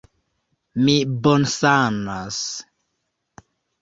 Mi bonsanas!